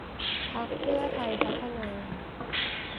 พรรคเพื่อไทยพัฒนา